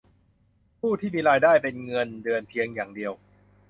ผู้ที่มีรายได้เป็นเงินเดือนเพียงอย่างเดียว